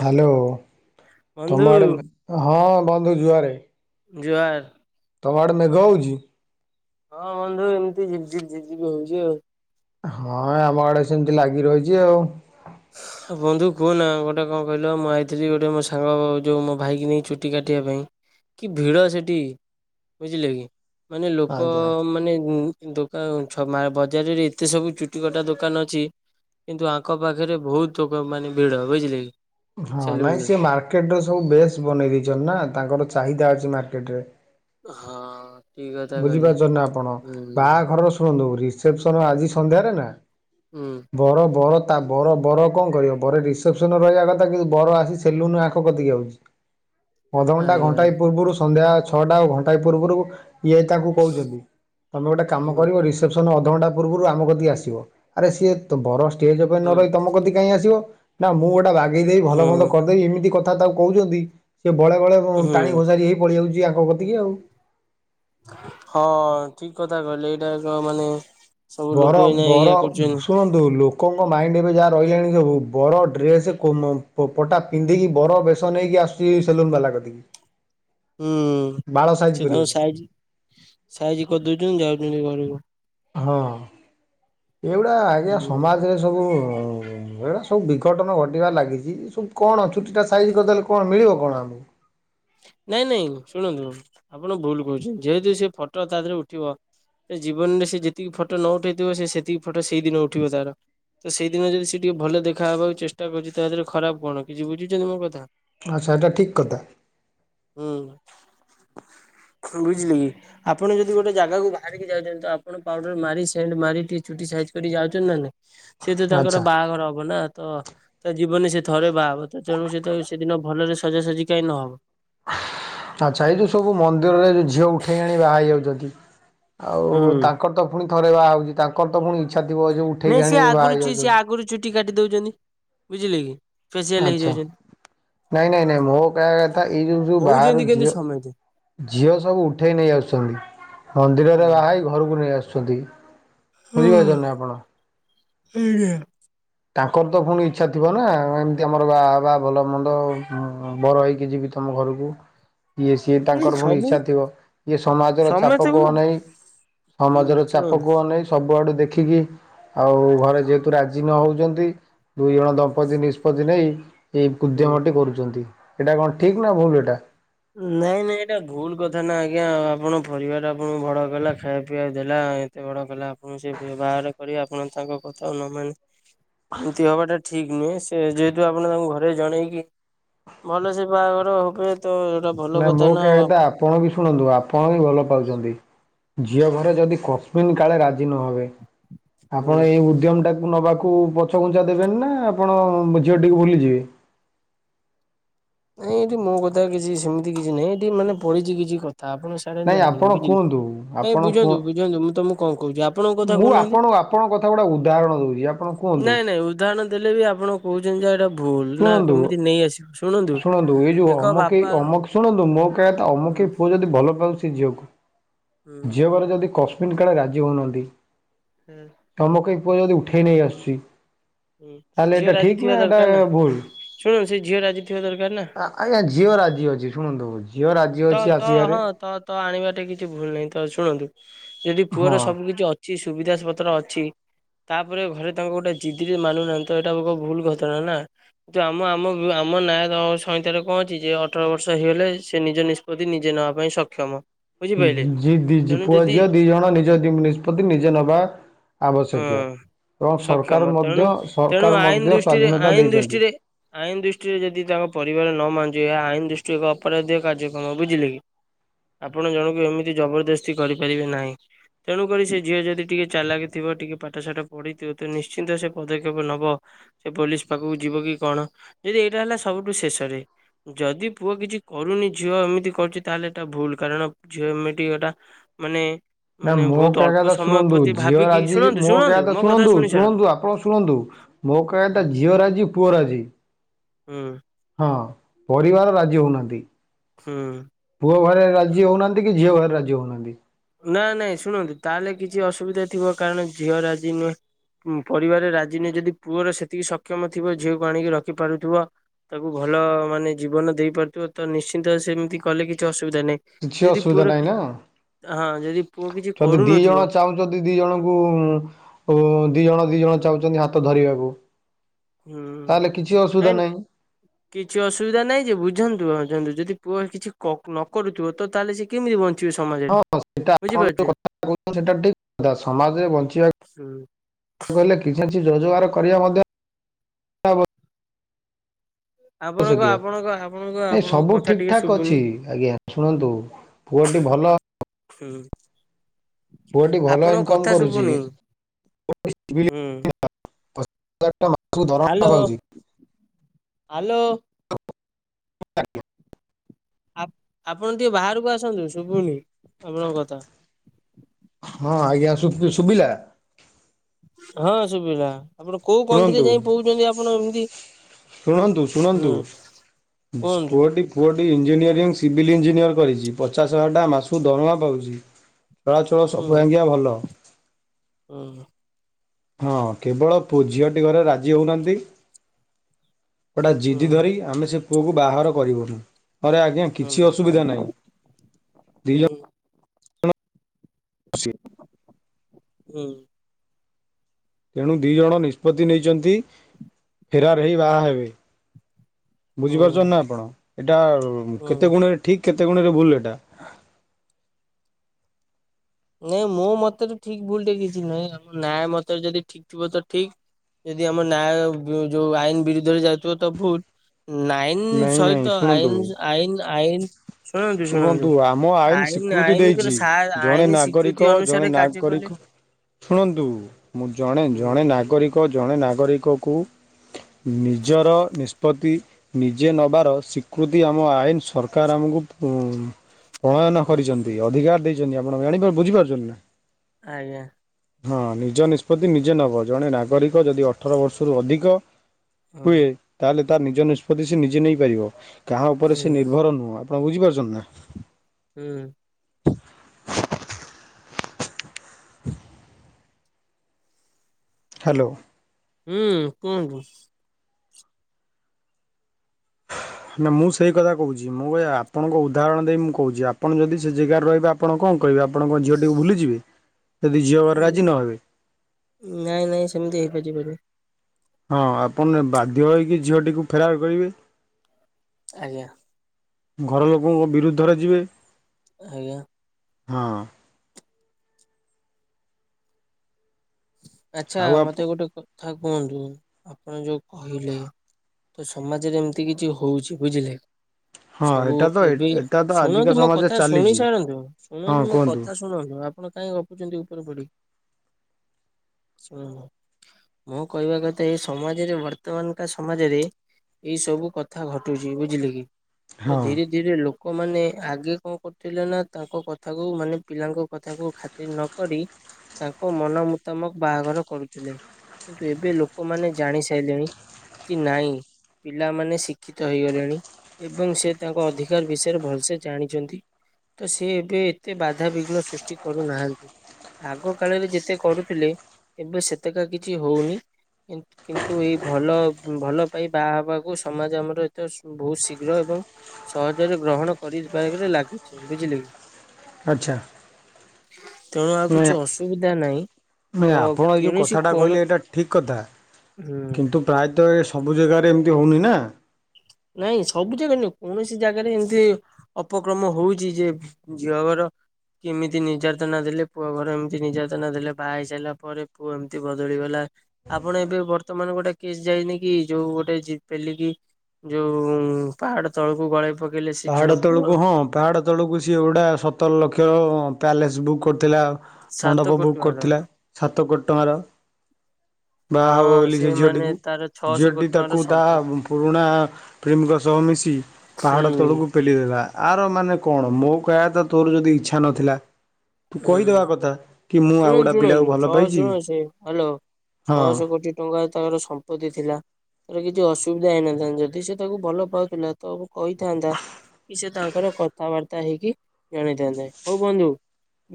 Hello ବନ୍ଧୁ ତମ ଆଡ଼େ ହଁ ବନ୍ଧୁ ଯୁଆରେ। ଜୁହାର ତମଆଡ଼େ ମେଘ ହଉଚି ହଁ ବନ୍ଧୁ ଏମିତିିବିି ଜିପ୍-ଜିପ୍-ଜିପ୍-ଜିପ୍ ହଉଛି ଆଉ। ହଁ ଆମ ଆଡେ ସେମିତି ଲାଗି ରହିଛି ଆଉ ବନ୍ଧୁ କୁହନା ଗୋଟେ କଣ କହିଲ ମୁଁ ଆଇଥିଲି ଗୋଟେ ମୋ ସାଙ୍ଗ ଯୋଉ ମୋ ଭାଇକ ନେଇ ଚୁ କୁଟି କାଟିବା ପାଇଁ କି ଭିଡ଼ ସେଠି ବୁଝିଲେ କି। ମାନେ ଲୋକ ଆଜ୍ଞା। ମାନେ ଦୋକାନଛ ବଜାରରେ ଏତେ ସବୁ ଚୁଟି କଟା ଦୋକାନ ଅଛି କିନ୍ତୁ ଆଙ୍କ ପାଖରେ ବହୁତ ଲୋକ ମାନେ ଭିଡ ବୁଝିଲେ କି। ହଁ ନାଇଁ ସେଲୁନରେ। ସେି ମାର୍କେଟ ର ସବୁ ବେଶ ବନେଇ ଦେଇେଇଛଛନ୍ତି ନା ତାଙ୍କର ଚାହିଦା ଅଛି ମାର୍କେଟରେ। ହଁ ଠିକ କଥା କହିଲେ ବୁଝିପାରୁଛ ନା ଆପଣ ହୁଁ ବାହାଘରର ଶୁଣନ୍ତୁ ରିସେପସନ ଆଜି ସନ୍ଧ୍ୟାରେ ନା। ହୁଁ ବର-ବର ତା ବର-ବର କଣ କରିବ ବରେ ରିସେପସନ ରହିବା କଥା କିନ୍ତୁ ବର ଆସି ସେଲୁନ ଆଖ କତିକି ହେଉଛି। [inaudible] ଅଧଘଣ୍ଟା ଆଜ୍ଞା ଘଣ୍ଟାଏ ପୂର୍ବରୁ ସନ୍ଧ୍ୟା ଛଅଟା ଘଣ୍ଟାଏ ପୂର୍ବରୁ ଇଏ ତାଙ୍କୁ କହୁଛନ୍ତି ତମେ ଗୋଟେ କାମ ହୁଁ। କରିବ ରି ସନ ଅଧ ଘଣ୍ଟା ପୂର୍ବରୁ ଆମ କତିକି ଆସିବ ଆରେ ସିଏ ବଡ ଷ୍ଟେଜ ଉପରେ ନ ହୁଁ ରହି ତମ କତି କହି ଆସିବ ନା ମୁଁ ଗୋଟେ ବାଗେଇଦେଇି ଭଲ ଭଲ ହୁଁ କରିଦେବି ଏମିତି କଥା ତାକୁ କହୁଛନ୍ତି ସେ ବଳେ ବଳେ ହୁଁ। ଟାଣି ଘୋଷାରି ହେଇ ପଳଆ ଯାଉଛି ଆଙ୍କ କତିକି ଆଉ। ହଁ ଠିକ କଥା କହିଲେ ଏଇଟା ମାନେ ସବୁ ବର ଲୋକ ଏଇନା ଏଇଆ କରୁଛନ୍ତି ବରଣନ୍ତ ଲୋକଙ୍କ ମାଇଣ୍ଡ ଏବେ ଯାହା ରହିଲାଣି ସବୁ ବଡ ଡ୍ରେସ୍ ପଟା ପିନ୍ଧିକି ବର ବେସନ ହେଇକି ଆସୁଛି ସେଲୁନ ବାଲା କତିକି। ହୁଁ ବାଳ ସାଇଜ ସେ ତାଙ୍କୁ କରିବାକୁ ସାଇ ସାଇଜ କରିଦଉଛନ୍ତି ଯାଉଛନ୍ତି ଘରକୁ। ହଁ ଏଗୁଡ଼ା ଆଜ୍ଞା ହୁଁ ସମାଜରେ ସବୁ ଏଟା ସବୁ ବିଘଟନ ଘଟିବା ଲାଗିଛି ସବୁ କଣ ଛୁଟି ଟା ସାଇଜ କରିଦେଲେ କଣ ମିଳିବ କଣ ଆମକୁ। ନାଇଁ ନାଇଁ ଶୁଣନ୍ତୁ ଆପଣ ଭୁଲ କହୁଛନ୍ତି ଯେହେତୁ ସେ ଫଟୋ ତା ଦେହରେ ଉଠିବ ସେ ଜୀବନରେ ସେ ଯେତିକି ଫଟୋ ନ ଉଠେଇଥିବ ସେତିକି ଫଟୋ ସେଇଦିନ ଉଠିବ ତାର। ତ ସେଇଦିନ ଯଦି ସେ ଟିକେ ଭଲ ଦେଖାହବାକୁ ଚେଷ୍ଟା କରୁଛି ତା ଦେହରେ ଖରାପ କଣ କିଛି ବୁଝୁଛନ୍ତି ମୋ କଥା। ଆଚ୍ଛା ଏଇଟା ଠିକ୍ କଥା। ହୁଁ ବୁଝିଲି କି? ଆପଣ ଯଦି ଗୋଟେ ଜାଗାକୁ ବାହାରିକି ଯାଉଛନ୍ତି ଆପଣ ପାଉଡର ମାରି ମାରି ଟିକ ଚୁଟି ସାଇଜ ଯାଉଛନ୍ତି ନା ନାଇଁ ସେ ତୁ ତାଙ୍କର ଆଚ୍ଛା ବାହାଘର ହବ ନା ତ ତା ଜୀବନ ସେ ଥରେ ବାହାହବ ତେଣୁ ସେ ସେଦିନ ଭଲରେ ସଜାସଜି କାଁ ନହବ। ଆଚ୍ଛା ଏଇ ଯୋଉ ସବୁ ମନ୍ଦିରରେ ଯଉ ଝିଅ ଉଠେଇ ଆଣି ବାହା ହେଇ ଯାଉଛନ୍ତି ଆଉ ହୁଁ ତାଙ୍କର ତ ପୁ ଥରେ ବାହା ହଉଛି ତାଙ୍କର ତ ପୁଣି ଇଚ୍ଛା ଥିବ ଯେଉ ନାଇଁ ଉଠେଇକି ସିଏ ଆଣି ବାହା ଆଗରୁ ହେଇ ସିଏ ଯାଉଛନ୍ତି। ଆଗରୁ ଚୁଟି କାଟି ଦଉଛନ୍ତି ବୁଝିଲେ କି ଫସିଆଲ ଆଚ୍ଛା ହେଇଯାଉଛନ୍ତି। ନାଇଁ ନାଇଁ ନାଇଁ ମୁୋଉ କ କଥା ଏଇ ଯ ଶୁ ହଉଛନ୍ତି ବାହାର କିନ୍ତୁ ଝିଅ ସମେତେ ଝିଅ ସବୁ ଉଠେଇ ନେଇ ଆସୁଛନ୍ତି ମନ୍ଦିରରେ ହଁ। ବାହାର ଘରକୁ ନେଇ ଆସୁଛନ୍ତି ହଁ ବୁଝିପାରୁଛ ଆପଣ। [unintelligible] ତାଙ୍କର ତ ପୁଣି ଇଚ୍ଛା ଥିବ ନା ଏମିତି ଆମର ବା ବା ଭଲ ମନ୍ଦ ବର ହେଇକି ଯିବି ତମ ଘରକୁ। [inaudible] ଇଏ ସିଏ ନାଇଁ ତାଙ୍କର ପୁଣି ସବୁ ଇଚ୍ଛା ଥିବ ଇଏ ସମାଜର ସମସ୍ତେ କଣ ଚାପକୁ ଅନେଇ ହୁଁ ସମାଜର ଚାପ ଶୁଣନ୍ତୁ କୁହ ନେଇଛି ସବୁଆଡୁ ଦେଖିକି ଆଉ ଘରେ ଯେହେତୁ ରାଜି ନ ହଉଛନ୍ତି ଦୁଇ ଜଣ ଦମ୍ପତି ନିଷ୍ପତ୍ତି ନେଇ ଏଇ ହୁଁ। ଉଦ୍ୟମଟି କରୁଛନ୍ତି। ଏଇଟ କଣ ଠିକ୍ ନା ଭୁଲ ଏଟା। ନାଇଁ ନାଇଁ ଏଇଟା ଭୁଲ କଥା ନା ଆଜ୍ଞା ଆପଣ ପରିବାର ଆପଣଙ୍କୁ ଭଡ କଲା ଖାଇବା ପିଇବାକୁ ଦେଲା ଏତେ ବଡ କଲା ଆପଣ ସେ ବାହହାର କରିବେ ଆପଣ ତାଙ୍କ କଥା ନ ମାନେ ଏମିତି ହବାଟା ଠିକ ନୁହେଁ ସେ ଯେହେତୁ ଆପଣ ତାଙ୍କୁ ଘରେ ଜଣେଇକି ଭଲ ସେ ବାହାଘର ହବେ ତ ଏଇଟା ଭଲ ମୋ କଥା ନା କହିବା ଆଉ କଥା ଆପଣ ଆପଣ ବି ଶୁଣନ୍ତୁ ଆପଣ ବି ଭଲ ପାଉଛନ୍ତି! ଝିଅ ଘରେ ଯଦି କଶମିିନ କାଳେ ରାଜି ନହବେ ହୁଁ ଆପଣ ଏଇ ଉଦ୍ୟମ ଟାକୁ ନେବାକୁ ପଛଘୁଞ୍ଚା ଦେବେନି ନା ଆପଣ ଝିଅଟିକୁ ଭୁଲିଯିବେ? ନାଇଁ ଏଇଠି ମୋ କଥା କିଛି ସେମିତି କିଛି ନାହିଁ ଏଠି ମାନେ ପଡିଛି କିଛି କଥା ଆପଣ ନାଇଁ ସୋଆୁନି ଆପଣ ବୁଝିଲି କୁହନ୍ତୁ ନାଇଁ ଆପଣ କୁହ ବୁଝନ୍ତୁ ବୁଝନ୍ତୁ ମୁଁ ତମକୁ କଣ କହୁଛି ଆପଣଙ୍କ କଥା ମୁଁ କହୁନାହାନ୍ତି। ଆପଣ ଆପଣଙ୍କ କଥା ଗୁଡା ଉଦାହରଣ ଦଉଛି ଆପଣ କୁହନ୍ତୁ? ନାଇଁ ନାଇଁ ଉଦାହରଣ ଦେଲେ ବି ଆପଣ କହୁଛନ୍ତି ଯା ଏଇଟା ଭୁଲ ନା କେମିତି ନେଇଆସିବ ଶୁଣନ୍ତୁ? ଯ ଏକ ଅମକ ବାପା ଅମକ ଶୁଣନ୍ତୁ ମୋ କହ ହୁଁ ଅମୁକ ପୁଅ ଯଦି ଭଲ ପାଉଛି ଝିଅକୁ ହୁଁ ଝିଅ ଘରେ ଯଦି କଶ୍ମିିନ କାଳେ ରାଜି ହଉନାହାନ୍ତି ହୁଁ। ଚମକ ପୁଅ ଯଦି ଉଠେଇ ନେଇ ଆସୁଛି ହୁଁ ତାହେଲେ ଏଇଟା ଠିକ ନା ଏଇଟା ଭୁଲ? ଶୁଣନୁ ସେଇ ଝିଅଟା ଆଜି ଥିବା ଦରକାର ନା। ଆଜ୍ଞା ଝଅ ରାଜି ଅଛି ଶୁଣନ୍ତୁ ଝିଅ ରାଜ ତ ତ ହଁ ତ ତ ଆଣିବାଟେ କିଛି ଭୁଲ ନାହିଁ ତ ଶୁଣନ୍ତୁ ଯଦି ହଁ ପୁଅର ସବୁ କିଛି ଅଛି କିଛି ସୁବିଧା ପତ୍ର ଅଛି ତାପରେ ଘରେ ତାଙ୍କ ଗୋଟେ ଜିଦି ମାନୁନାହାନ୍ତି ତ ଏଇଟା ଗୋ ଭୁଲ ଘଟଣା ନା। କିନ୍ତୁ ଆମ ଆମ ଆମ ନାନ୍ୟାୟ ସହିତାରେ କଣଛି ଯେ ଅଠର ବର୍ଷ ହେଇଗଲେ ସେ ନିଜ ନିଜେ ନବା ପାଇଁ ସକ୍ଷମ। ବୁଝିପାରିଲେ ଜ ଦି ତେଣୁ ପୁଅ ଯଦି ଝିଅ ଦି ଜଣ ନିଜ ନିଷ୍ପତ୍ତି ନିଜେ ନବା ଆବଶ୍ୟକୀୟ ହଁ ଏବଂ ସକ୍ଷମ ସରକାର ତେଣୁ ମଧ୍ୟ ତେଣୁ ସରକାର ଆଇନ ମଧ୍ୟ ଦୃଷ୍ଟିରେ ସ୍ଵାଧୀନତା ଆଇନ ଦେଇଛନ୍ତି। ଦୃଷ୍ଟିରେ ଆଇନ ଦୃଷ୍ଟିରେ ଯଦି ତାଙ୍କ ପରିବାର ନ ମାଞଜିବ ଏହା ଆଇନ ଦୃଷ୍ଟିରେ ଏକ ଅପରାଧୀୟ କାର୍ଯ୍ୟ। ହ ବୁଝିଲେ କି ଆପଣ ଜଣକୁ ଏମିତି ଜବରଦସ୍ତି କରିପାରିବେ ନାହିଁ। ତେଣୁକରି ସେ ଝିଅ ଯଦି ଟିକେ ଚାଲାକିଥିବ ଟିକେ ପାଠଶାଠ ପଢ଼ିଥିବ ତ ନିଶ୍ଚିନ୍ତ ସେ ପଦକ୍ଷେପ ନେବ। ସେ ପୋଲିସ ପାଖକୁ ଯିବ କି କଣ ଯଦି ଏଇଟା ହେଲା ସବୁଠୁ ଶେଷରେ ଯଦି ପୁଅ କିଛି କରୁନି ଝିଅ ଏମିତି କରୁଛି ତାହେଲେ ଏଟା ଭୁଲ କାରଣ ଝିଅ ଏମିତି ଏଟା ମାନେ ନା ମାନେ ମୋ ବହୁତ ଅଳ୍ପ କହିବା କଥା ସମୟ ଶୁଣନ୍ତୁ ପ୍ରତି ଝିଅର ଭାବିକି ରାଜି ଶୁଣନ୍ତୁ ମୋ କହିବା ଶୁଣନ୍ତୁ କଥା ଶୁଣନ୍ତୁ ଶୁଣି ସାରନ୍ତୁ। ଶୁଣନ୍ତୁ ଆପଣ ଶୁଣନ୍ତୁ ମୋ କହିବା କଥା ହୁଁ। ଝିଅ ରାଜି ପୁଅ ରାଜି ହୁଁ। ହଁ ପରିବାର ରାଜି ହଉନାହାନ୍ତି। [unintelligible] ପୁଅ ଘରେ ରାଜି ହଉନାହାନ୍ତି କି ଝିଅ ଘରେ ରାଜି ହଉନାହାନ୍ତି ନାାଇଁ ନାଇଁ ଶୁଣନ୍ତୁ ତାହେଲେ କିଛି ଅସୁବିଧା ଥିବ କାରଣ ଝିଅ ରାଜି ନୁହେଁ ପରିବାରରେ ରାଜି ନୁହେଁ ଯଦି ପୁଅର ସେତିକି ସକ୍ଷମ ଥିବ ଝିଅକୁ ଆଣିକି ରଖିପାରୁଥିବ ତାକୁ ଭଲ ମାନେ ଜୀବନ ଦେଇ ପାରୁଥିବ ତ ନିଶ୍ଚିନ୍ତ ସେମିତି କଲେ କିଛି ଅସୁବିଧା ନାହିଁ କିଛି ଯଦି ପୁଅର ଅସୁବିଧା ନାହିଁ କି ନା? ହଁ ଯଦି ପୁଅ କିଛି ଯଦି ଦି ଜଣ କରୁନଥିବ ଚାହୁଁଛନ୍ତି ଦି ଜଣଙ୍କୁ ଦି ଜଣ ଦି ଜଣ ଚାହୁଛନ୍ତି ହାତ ଧରିବାକୁ ହୁଁ ତାହେଲେ କିଛି ନାଇଁ ଅସୁବିଧା ନାହିଁ। କିଛି ଅସୁବିଧା ନାହିଁ ଯେ ବୁଝନ୍ତୁ ବୁଝନ୍ତୁ ଯଦି ପୁଅ କିଛି ନ କରୁଥିବ ତ ତାହେଲେ ସେ କେମିତି ବଞ୍ଚିବେ ହଁ ସମାଜରେ ସେଟା ଆପଣ ଯୋଉ ବୁଝିପାରୁଛେ। କଥା ସେଟା ଠିକ କଥା ସମାଜରେ ବଞ୍ଚିବା ହୁଁ କହିଲେ କିଛି କିଛି ରୋଜଗାର କରିବା ମଧ୍ୟ ଆପଣଙ୍କ ଆବଶ୍ୟକୀୟ ଆପଣଙ୍କ ଆପଣଙ୍କ ନାଇଁ ଆପଣଙ୍କ ସବୁ କଥା ଠିକ ଟିକେ ଠାକ ଶୁଭୁନି ଅଛି ଆଜ୍ଞା ଶୁଣନ୍ତୁ ପୁଅଟି ଭଲ ହୁଁ ପୁଅଟି ଭଲ ଆପଣଙ୍କ ଇନକମ୍ କଥା କରୁଛି ଶୁଭୁନି। ବିଲ୍ ହୁଁ। [unintelligible] ହ୍ୟାଲୋ। [unintelligible] ଆପଣ ଟିକେ ବାହାରକୁ ଆସନ୍ତୁ ଶୁଭୁନି ଆପଣଙ୍କ କଥା। ହଁ ଆଜ୍ଞା ଶୁଭିଲା? ହଁ ସୁବିଧା ଆପଣ କୋଉ କନ୍ଥିରେ ଶୁଣନ୍ତୁ ଯାଇ କହୁଛନ୍ତି ଆପଣ ଏମିତି ଶୁଣନ୍ତୁ ଶୁଣନ୍ତୁ ହୁଁ କୁହନ୍ତୁ ପୁଅଟି ପୁଅଟି ଇଞ୍ଜିନିୟରିଂ ସିଭିଲ୍ ଇଞ୍ଜିନିୟରିଂ କରିଛି ପଚାଶ ହଜାର ଟଙ୍କା ମାସକୁ ଦରମା ପାଉଛି ଚଳାଚଳ ସବୁ ଆଜ୍ଞା ଭଲ ହଁ। ହଁ କେବଳ ପୁଅ ଝିଅଟି ଘର ରାଜି ହେଉନାହାଁନ୍ତି ଗଟା ଜିଦି ହୁଁ। ଧରି ଆମେ ସେ ପୁଅକୁ ବାହାର କରିବୁନି ଆରେ ଆଜ୍ଞା କିଛି ହୁଁ ଅସୁବିଧା ନାହିଁ ଦି ଜଣ ହୁଁ [unintelligible] ହୁଁ। ତେଣୁ ଦି ଜଣ ନିଷ୍ପତ୍ତି ନେଇଛନ୍ତି ଫେରାର ହେଇ ବାହା ହେବେ ବୁଝିପାରୁଛ ହୁଁ ନା ଆପଣ ଏଇଟା ହୁଁ। କେତେ ଗୁଣରେ ଠିକ କେତେ ଗୁଣରେ ଭୁଲ ଏଟା? ନାଇଁ ମୁଁ ମତେରେ ଠିକ୍ ଭୁଲ୍ ଟେ କିଛି ନୁହେଁ ଆମ ନ୍ୟାୟ ମତରେ ଯଦି ଠିକ୍ ଥିବ ତ ଠିକ୍ ଯଦି ଆମ ନ୍ୟାୟ ଯୋଉ ଆଇନ ବିରୁଦ୍ଧରେ ଯାଉଥିବ ତ ଭୁଲ ନାଇଁ ଆଇନ୍ ନାଇଁ ନାଇଁ ସହିତ ଶୁଣନ୍ତୁ ଆଇନ୍-ଆଇନ୍-ଆଇନ୍ ଶୁଣନ୍ତୁ-ଶୁଣୁନ୍ତୁ ଶୁଣନ୍ତୁ ଆମ ଆଇନ ସ୍ୱୀକୃତି ଆଇନ୍-ଆଇନ୍ ଦେଇଛି ଆର ଜଣେ ଆଇନ୍ ନାଗରିକ ଜଣେ ନାଗରିକ ଶୁଣନ୍ତୁ ମୁଁ ଜଣେ ହୁଁ ଜଣେ ନାଗରିକ ଏକ ଜଣେ ନାଗରିକକୁ ନିଜର ନିଷ୍ପତ୍ତି ନିଜେ ନେବାର ସ୍ୱୀକୃତି ଆମ ଆଇନ ସରକାର ଆମକୁ ଉମ ପ୍ରଣୟନ ହୁଁ କରିଛନ୍ତି। ସେ ଅଧିକାର ଦେଇଛନ୍ତି ଆପଣ ଜାଣି ବୁଝିପାରୁଛନ୍ତି ନା? ଆଜ୍ଞା। ହଁ ନିଜ ନିଷ୍ପତ୍ତି ନିଜେ ନବ ଜଣେ ନାଗରିକ ଯଦି ଅଠର ବର୍ଷରୁ ଅଧିକ ହୁଁ ହୁଏ। ତାହେଲେ ତାର ନିଜ ନିଷ୍ପତ୍ତି ସେ ନିଜେ ନେଇ ପାରିବ, କାହା ଉପରେ ସେ ହୁଁ ନିର୍ଭର ନୁହଁ। ଆପଣ ବୁଝିପାରୁଛନ୍ତି ନା? ହୁଁ। ହ୍ୟାଲୋ। ହୁଁ କୁହନ୍ତୁ? ନା ମୁଁ ସେଇ କଥା କହୁଛି ମୁଁ ଏ ଆପଣଙ୍କୁ ଉଦାହରଣ ଦେଇ ମୁଁ କହୁଛି ଆପଣ ଯଦି ସେ ଜାଗାରେ ରହିବେ ଆପଣ କଣ କହିବେ? ଆପଣ କଣ ଝିଅଟିକୁ ଭୁଲିଯିବେ ଯଦି ଝିଅ ଘର ଉଁ, ରାଜି ନ ହେବେ? ନାଇଁ ନାଇଁ ସେମିତି ହେଇପାରବନି। ହଁ ଆପଣ ବାଧ୍ୟ ହୋଇକି ଝିଅଟିକୁ ଫେରାର କରିବେ। ଆଜ୍ଞା। ଘର ଲୋକଙ୍କ ବିରୁଦ୍ଧରେ ଯିବେ। ଆଜ୍ଞା। ହଁ। ଆଚ୍ଛା ଆଉ ଆପ ମତେ ଗୋଟେ କଥା କୁହନ୍ତୁ? ଆପଣ ଯୋଉ କହିଲେ ତ ସମାଜରେ ଏମିତି କିଛି ହଉଛି ବୁଝିଲେ? ହଁ ସବୁ ଏଇଟା ତ ଏବେ ଏଇଟା ତ ଆଜିକା ଶୁଣନ୍ତୁ ମୋ ସମାଜରେ କଥା ଶୁଣି ଚାଲିଛି ସାରନ୍ତୁ ହଁ ଶୁଣନ୍ତୁ ମୋ କୁହନ୍ତୁ କଥା ଶୁ ଶୁଣୁନ୍ତୁ ଆପଣ କାହିଁ ଗପୁଚନ୍ତି ଉପରେ ପଡିକି? ଶୁଣ ମୁଁ କହିବା କଥା ଏ ସମାଜରେ ବର୍ତ୍ତମାନ କା ସମାଜରେ ଏଇ ସବୁ କଥା ଘଟୁଛି ବୁଝିଲେ କି ତ ହଁ ଧୀରେ ରେ ଲୋକମାନେ ଆଗେ କଣ କରୁଥିଲେ ନା ତାଙ୍କ କଥାକୁ ମାନେ ପିଲାଙ୍କ କଥା ଖାତି ର ନ କରି ତାଙ୍କ ମନ ମୁତାମକ ବାହାଘର କରୁଥିଲେ। କିନ୍ତୁ ଏବେ ଲୋକମାନେ ଜାଣି ସାରିଲେଣି କି ନାଇଁ ପିଲାମାନେ ଶିକ୍ଷିତ ହେଇଗଲେଣି। ଏବଂ ସେ ତାଙ୍କ ଅଧିକାର ବିଷୟରେ ଭଲସେ ଜାଣିଛନ୍ତି। ତ ସେ ଏବେ ଏତେ ବାଧାବିଘ୍ନ ସୃଷ୍ଟି କରୁନାହାନ୍ତି ଆଗ କାଳରେ ଯେତେ କରୁ ଥିଲେ ଏବେ ସେତେକା କିଛି ହଉନି। କିନ୍ତୁ ଏଇ ଭଲ ଭଲ ପାଇ ବାହା ହେବାକୁ ସମାଜ ଆମର ଏତେ ବହୁତ ଶୀଘ୍ର ଏବଂ ସହଜରେ ଗ୍ରହଣ କରିବାରାରେ ଲାଗିଛି ବୁଝିଲେ କି? ଆଚ୍ଛା। ତେଣୁ ଆଉ କିଛି ଅସୁବିଧା ନାହିଁ। ନା ତ ଆପଣ ଏଇ ଯେଉଁ କୌଣସି କଥାଟା କଣ କହିଲେ ଏଇଟା ଠିକ୍ କଥା, ହୁଁ କିନ୍ତୁ ପ୍ରାୟତଃ ଏ ସବୁ ଜାଗାରେ ଏମିତି ହେଉନି ନା। ନାଇଁ ସବୁ ଜାଗା ନୁହଁ କୌଣସି ଜାଗାରେ ଏମିତି ଅପକ୍ରମ ହଉଛି ଯେ ଝିଅ ଘର କେମିତି ନିର୍ଯାତନା ଦେଲେ ପୁଅ ଘର ଏମିତି ନିର୍ଯାତନା ଦେଲେ ବାହା ହେଇ ସାରିଲା ପରେ ପୁଅ ଏମିତି ବଦଳିଗଲା। ଆପଣ ଏବେ ବର୍ତ୍ତମାନ ଗୋଟେ କେସ୍ ଯାଇନି କି ଯୋଉ ଗୋଟେ ଝି ପେଲିକି ଯୋଉ ଉଁ ପାହାଡ ତଳକୁ ଗଳେଇ ପକେଇ ପାହାଡ ତଳକୁ ହଁ। ପାହାଡ଼ ତଳକୁ ସିଏ ଗୁଡ଼ା ସତର ଲକ୍ଷର ପ୍ୟାଲେସ୍ ବୁକ୍ କରିଥିଲା। ସାତ ମଣ୍ଡପ କୋଟି ବୁକ୍ ଟଙ୍କାର କରିଥିଲା ସାତ କୋଡ଼ି ଟଙ୍କାର। ହ ବାହା ହେବ ବୋଲି ସେ ଝିଅଟିକୁ, ଝିଅଟି କୋଟି ଟଙ୍କାର ତାକୁ ତା ସମ୍ପତ୍ତି ପୁରୁଣା ପ୍ରେମୀକ ସହ ମିଶି ପାହାଡ଼ ହୁଁ। ତଳକୁ ପଲି ଦେଲା ଆର ମାନେ କଣ ମୋ କହିବା ତ ତୋର ଯଦି ଇଚ୍ଛା ନଥିଲା ତୁ କହିଦବା ହୁଁ କଥା କି ମୁଁ ଆଉ ଶୁଣନ୍ତୁ ଗୋଟେ ପିଲାକୁ ଶୁଣନ୍ତୁ ଭଲ ଛଅ ପାଇଛି ଶୁଣ ସେ ହ୍ୟାଲୋ ହଁ। ଛଅଶହ କୋଟି ଟଙ୍କା ତାଙ୍କର ସମ୍ପତ୍ତି ଥିଲା ତାର କିଛି ଅସୁବିଧା ହେଇନଥାନ୍ ଯଦି ସେ ତାକୁ ଭଲ ପାଉଥିଲା ତ କହିଥାନ୍ତା କି ସେ ତାଙ୍କର କଥାବାର୍ତ୍ତା ହେଇକି ଜଣେଇଥାନ୍ତେ ହଉ ବନ୍ଧୁ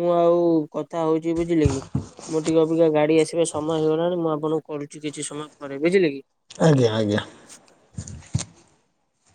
ମୁଁ ଆଉ କଥା ହଉଛି ବୁଝିଲି କି ମୁଁ ଟିକେ ଅପେକ୍ଷା ଗାଡି ଆସିବାେ ସମୟ ହେଇଗଲାଣି ମୁଁ ଆପଣଙ୍କୁ କରୁଛି କିଛି ସମୟ ପରେ ବୁଝିଲି କି ଆଜ୍ଞା ଆଜ୍ଞା ସ